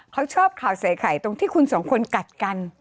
เขาชอบข่าวใส่ไข่ตรงที่คุณสองคนกัดกัน